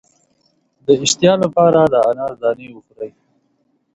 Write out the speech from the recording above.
د اشتها لپاره د انار دانې وخورئ